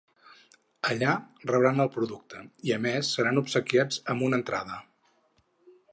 Allà, rebran el producte i, a més, seran obsequiats amb una entrada.